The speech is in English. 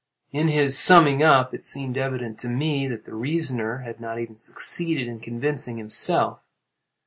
In his summing up it seemed evident to me that the reasoner had not even succeeded in convincing himself.